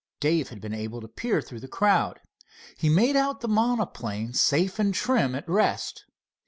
Dave had been able to peer through the crowd. He made out the monoplane, safe and trim, at rest.